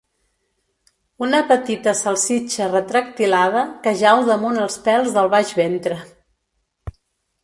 Una petita salsitxa retractilada que jau damunt els pèls del baix ventre.